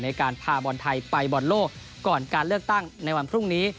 ในการพาบอลไทยไปบอลโลกก่อนการเลือกตั้งในวันพรุ่งนี้